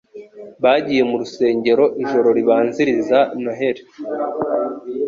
Bagiye mu rusengero ijoro ribanziriza Noheri.